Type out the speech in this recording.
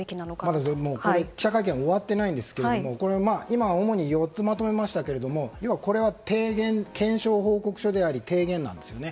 まだ記者会見は終わってないんですが今主に４つまとめましたがこれは提言検証報告書なんですね。